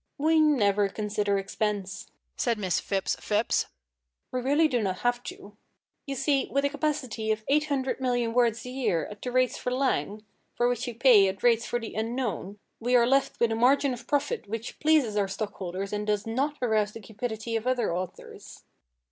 "We never consider expense," said Miss Phipps Phipps. "We really do not have to. You see, with a capacity of 800,000,000 words a year at the rates for Lang, for which we pay at rates for the unknown, we are left with a margin of profit which pleases our stockholders and does not arouse the cupidity of other authors."